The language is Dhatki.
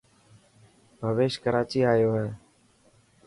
پويش ڪراچي آيو هي.